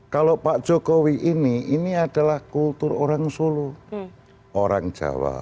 kalau pak jokowi ini ini adalah kultur orang solo orang jawa